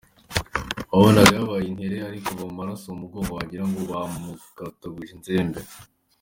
Wabonaga yabaye intere ari kuva amaraso mu mugongo wagira ngo bamukataguje inzembe”.